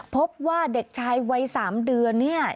พบว่าเด็กชายวัย๓เดือนเนี่ย